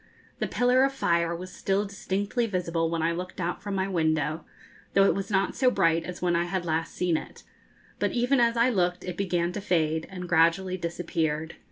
The pillar of fire was still distinctly visible when I looked out from my window, though it was not so bright as when I had last seen it; but even as I looked it began to fade, and gradually disappeared.